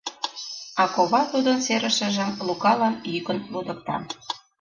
А кова тудын серышыжым Лукалан йӱкын лудыкта.